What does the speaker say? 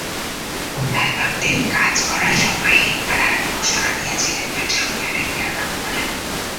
অ্যালবামটির কাজ করার সময়ই তাঁরা ঘোষণা দিয়েছিলেন একসঙ্গে আরেকটি অ্যালবাম করার।